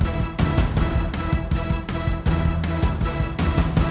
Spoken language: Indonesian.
pak hasi kasih atas